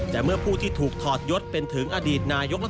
แต่เมื่อผู้ที่ถูกถอดยศเป็นถึงอดีตนายกรัฐมนตรี